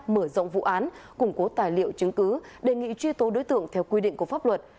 mở rộng vụ án củng cố tài liệu chứng cứ đề nghị truy tố đối tượng theo quy định của pháp luật